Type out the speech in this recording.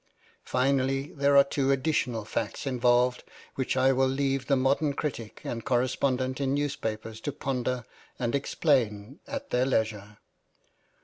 Finally there are two additional facts involved which I will leave the modern critics and correspondents in newspapers to ponder and explain at their leisure.